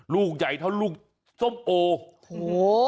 ลูกใหญ่เท่าลูกส้มโอโถ